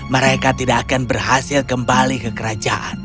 mereka tidak akan berhasil kembali ke kerajaan